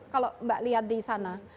kalau mbak lihat di sana